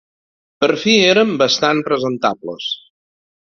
Per fi eren bastant presentables.